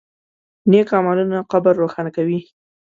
نیک عملونه قبر روښانه کوي.